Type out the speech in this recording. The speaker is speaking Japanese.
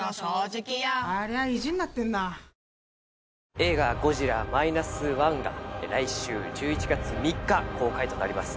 映画、ゴジラー１．０が来週１１月３日、公開となります。